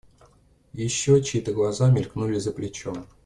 Еще чьи-то глаза мелькнули за плечом.